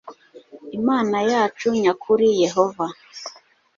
imana yacu nya kuri yehova